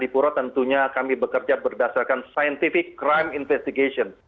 di pura tentunya kami bekerja berdasarkan scientific crime investigation